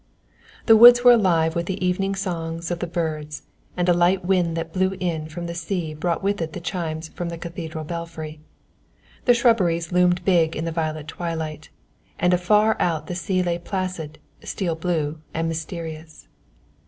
The woods were alive with the evening songs of the birds, and a light wind that blew in from the sea brought with it the chimes from the Cathedral belfry. The shrubberies loomed big in the violet twilight and afar out the sea lay placid, steel blue and mysterious.